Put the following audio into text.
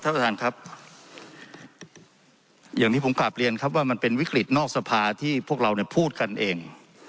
ท่านประธานครับอย่างที่ผมกลับเรียนครับว่ามันเป็นวิกฤตนอกสภาที่พวกเราเนี่ยพูดกันเอง